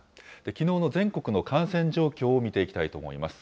きのうの全国の感染状況を見ていきたいと思います。